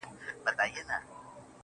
گراني چي ستا سره خبـري كوم.